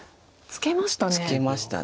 ツケました。